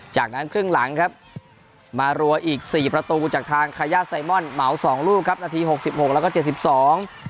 จากนั้นครึ่งหลังครับมารัวอีกสี่ประตูจากทางคายาไซมอนเหมาสองลูกครับนาทีหกสิบหกแล้วก็เจ็ดสิบสอง